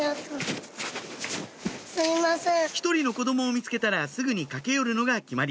１人の子供を見つけたらすぐに駆け寄るのが決まり